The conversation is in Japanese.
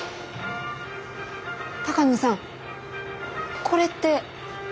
鷹野さんこれって。